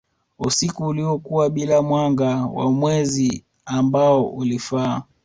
usiku uliokuwa bila mwanga wa mwezi ambao ulifaa